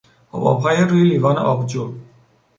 حبابهای روی لیوان آبجو